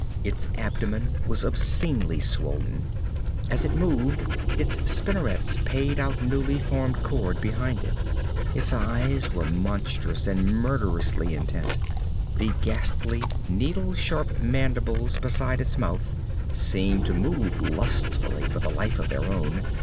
Its abdomen was obscenely swollen. As it moved, its spinnerets paid out newly formed cord behind it. Its eyes were monstrous and murderously intent. The ghastly, needle sharp mandibles beside its mouth seemed to move lustfully with a life of their own.